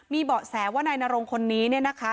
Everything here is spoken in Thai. มีเบาะแสว่านายนารงคนนี้นะคะ